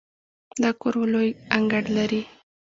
دا کور لوی انګړ لري.